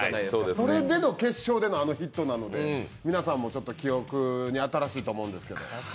それでの決勝でのあのヒットなので皆さんもちょっと記憶に新しいと思うんですけれども。